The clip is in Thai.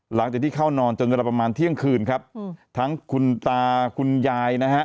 หลังจากที่เข้านอนจนเวลาประมาณเที่ยงคืนครับทั้งคุณตาคุณยายนะฮะ